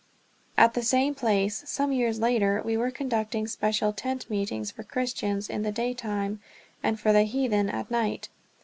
At the same place, some years later, we were conducting special tent meetings for Christians in the day time, and for the heathen at night.